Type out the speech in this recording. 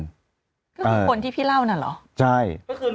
ก็คือคนที่พี่เล่าน่ะเหรอ